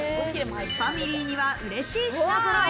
ファミリーにはうれしい品揃え。